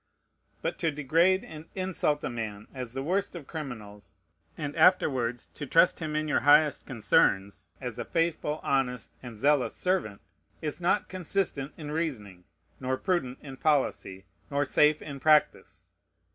But to degrade and insult a man as the worst of criminals, and afterwards to trust him in your highest concerns, as a faithful, honest, and zealous servant, is not consistent in reasoning, nor prudent in policy, nor safe in practice.